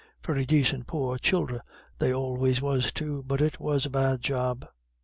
Very dacint poor childer they always was, too; but it was a bad job."